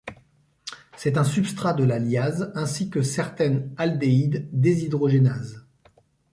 C'est un substrat de la lyase ainsi que de certaines aldéhyde déshydrogénases.